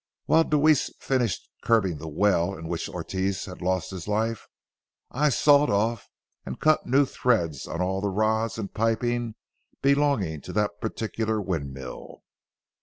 While Deweese finished curbing the well in which Ortez lost his life, I sawed off and cut new threads on all the rods and piping belonging to that particular windmill.